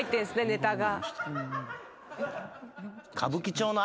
ネタが。